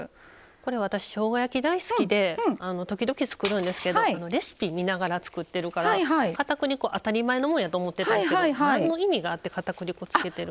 私しょうが焼き大好きで時々作るんですけどレシピ見ながら作ってるから片栗粉当たり前のもんやと思ってたんですけど何の意味があって片栗粉つけてるんですか？